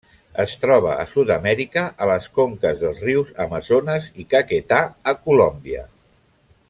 Es troba a Sud-amèrica, a les conques dels rius Amazones i Caquetá a Colòmbia.